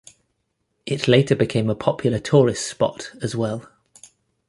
It later became a popular tourist spot as well.